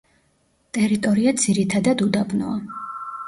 ტერიტორია ძირითადად უდაბნოა.